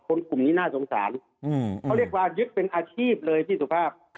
กลุ่มนี้น่าสงสารเขาเรียกว่ายึดเป็นอาชีพเลยพี่สุภาพ